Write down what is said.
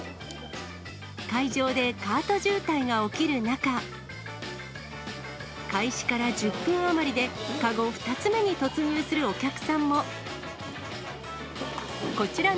会場でカート渋滞が起きる中、開始から１０分余りで、籠２つ目に突入するお客さんも。